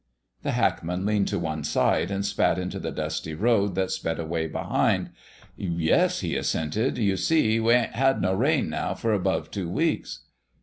The hackman leaned to one side and spat into the dusty road that sped away behind. "Yes," he assented; "you see, we 'ain't had no rain now for above two weeks."